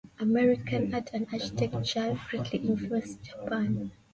American art and architecture greatly influenced Japan.